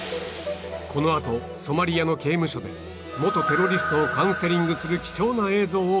このあとソマリアの刑務所で元テロリストをカウンセリングする貴重な映像を公開